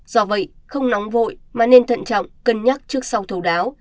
do vậy không nóng vội mà nên thận trọng cân nhắc trước sau thấu đáo